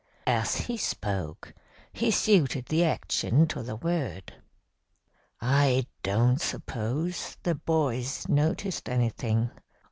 As he spoke, he suited the action to the word. I don't suppose the boys noticed anything.